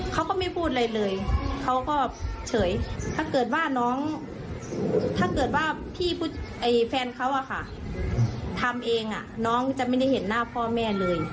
เขาก็ไม่พูดอะไรเลยเขาก็เฉย